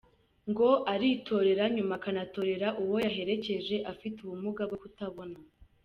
Ngo aritorera nyuma akanatorera uwo yaherekeje ufite ubumuga bwo kutabona !